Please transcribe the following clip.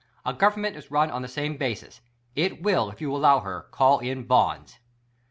A Government is run on the same basis : It will, if you allow her, call in BONDS !